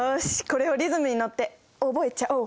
これをリズムに乗って覚えちゃおう。